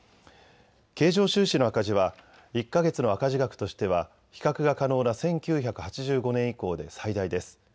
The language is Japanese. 経常収支の赤字は１か月の赤字額としては比較が可能な１９８５年以降で最大です。